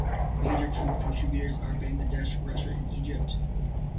Major troop contributors are Bangladesh, Russia and Egypt.